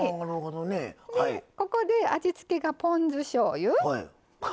ここで味付けが、ポン酢しょうゆ。